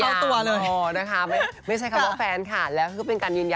เจ้าตัวเลยนะคะไม่ใช่คำว่าแฟนค่ะแล้วก็เป็นการยืนยัน